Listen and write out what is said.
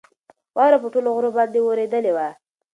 واوره په ټولو غرو باندې ورېدلې وه.